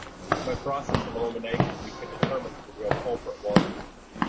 By process of elimination we could determine who the real culprit was.